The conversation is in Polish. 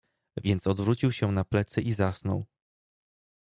Więc odwrócił się na plecy i zasnął.